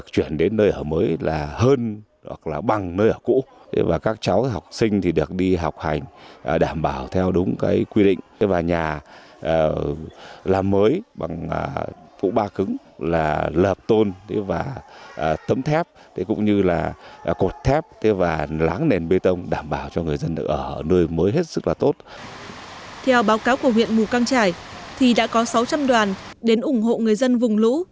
theo báo cáo của huyện mù căng trải thì đã có sáu trăm linh đoàn đến ủng hộ người dân vùng lũ